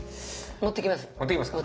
持っていきますか。